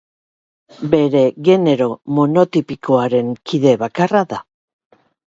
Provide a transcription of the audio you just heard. Bere genero monotipikoaren kide bakarra da.